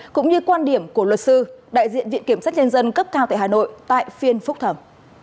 cũng như quan điểm của luật sư đại diện viện kiểm sát nhân dân cấp cao tại hà nội tại phiên phúc thẩm